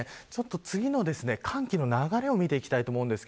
次の寒気の流れを見ていきます。